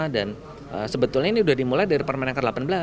dan sebetulnya ini sudah dimulai dari permenangkan delapan belas